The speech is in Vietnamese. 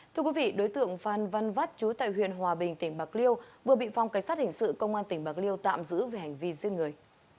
thưa quý vị đối tượng phan văn vắt trú tại huyện hòa bình tỉnh bạc liêu vừa bị phong cảnh sát hình sự công an tỉnh bạc liêu tạm giữ về hành vi giết người